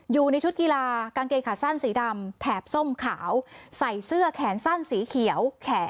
อยู่ในชุดกีฬากางเกงขาสั้นสีดำแถบส้มขาวใส่เสื้อแขนสั้นสีเขียว